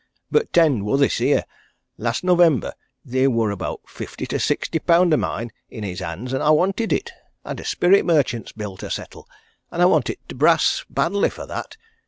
But t' end wor this here last November theer wor about fifty to sixty pound o' mine i' his hands, and I wanted it. I'd a spirit merchant's bill to settle, and I wanted t' brass badly for that.